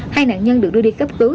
hai nạn nhân được đưa đi cấp cứu